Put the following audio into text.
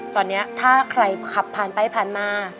ตอนนี้ถ้าใครขับพรรณไปพรรมา